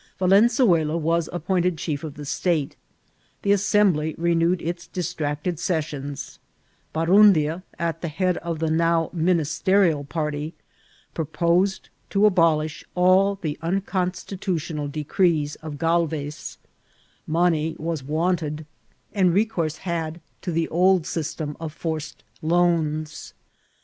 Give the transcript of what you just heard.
Valenzuela was appointed chief of the state ; the Assembly renewed its distracted sessions ; Barundia, as the head of the now ministerial party, proposed to abolish all the unconsti tutional decrees of CJalvez; money was wanted, and XMCIDBVTS or TKATSU reooune had to the <^ eystem of forced loans.